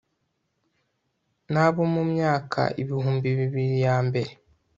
nabo mu myaka ibihumbi bibiri ya mbere